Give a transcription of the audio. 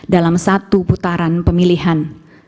dalam satu putaran pemilihan